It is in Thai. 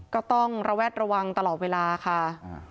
ก็ต้องระแวดระวังตลอดเวลาค่ะ